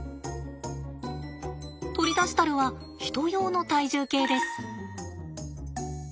取り出したるはヒト用の体重計です。